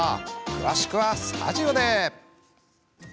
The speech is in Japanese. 詳しくは、スタジオで。